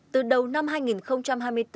từ đầu năm hai nghìn hai mươi bốn